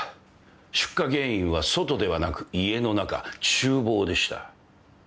出火原因は外ではなく家の中厨房でした。